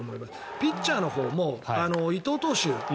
ピッチャーのほうも伊藤投手